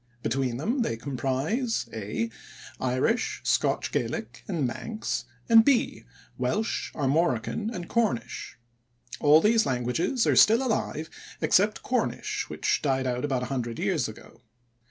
Between them they comprise (a) Irish, Scotch Gaelic, and Manx, and (b) Welsh, Armorican, and Cornish. All these languages are still alive except Cornish, which died out about a hundred years ago.